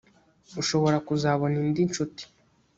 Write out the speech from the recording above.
ushobora kuzabona indi ncuti